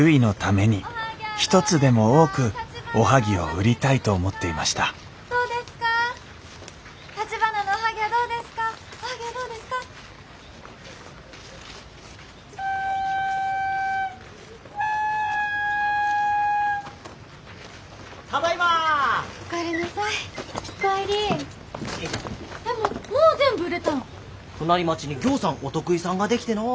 隣町にぎょうさんお得意さんができてのう。